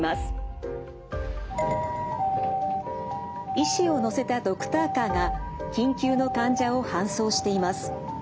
医師を乗せたドクターカーが緊急の患者を搬送しています。